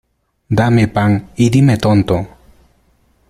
Dame pan, y dime tonto.